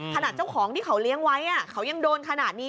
เจ้าของที่เขาเลี้ยงไว้เขายังโดนขนาดนี้